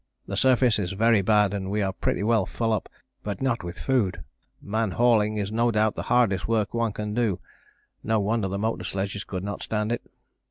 The surface is very bad and we are pretty well full up, but not with food; man hauling is no doubt the hardest work one can do, no wonder the motor sledges could not stand it.